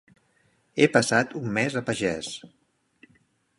He passat un mes a pagès.